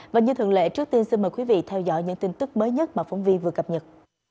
và như thường lệ trước tiên xin mời quý vị theo dõi những tin tức mới nhất mà phóng viên vừa cập nhật